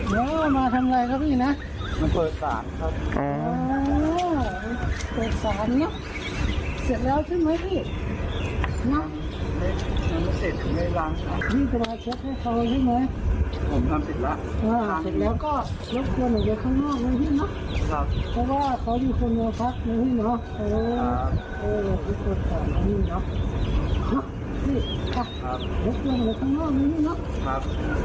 นำเสร็จเรื่อยกว่า